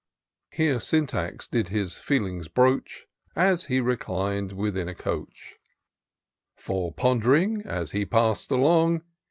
Thus Syntax did his feelings broach. As he reclin*d within a coach ; For, pond'ring as he pass'd along.